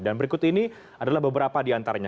dan berikut ini adalah beberapa di antaranya